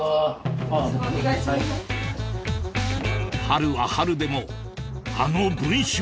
春は春でもあの文春